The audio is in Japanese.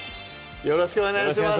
よろしくお願いします